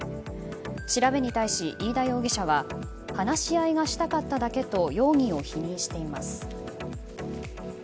調べに対し、飯田容疑者は話し合いがしたかっただけと容疑を否認しています。